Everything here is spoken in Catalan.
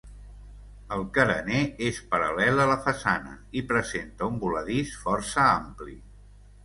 El carener és paral·lel a la façana i presenta un voladís força ampli.